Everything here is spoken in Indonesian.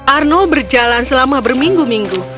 arnold berjalan selama berminggu minggu